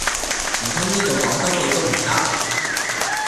唔通呢度講多句都唔得